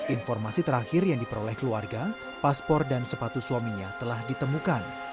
informasi terakhir yang diperoleh keluarga paspor dan sepatu suaminya telah ditemukan